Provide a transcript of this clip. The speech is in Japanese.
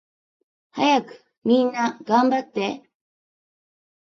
はやくみんながんばって